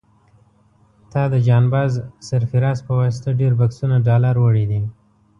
تا د جان باز سرفراز په واسطه ډېر بکسونه ډالر وړي دي.